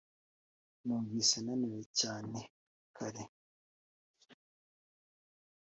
numvise naniwe cyane kare .